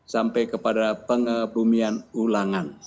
sampai kepada pengebumian ulangan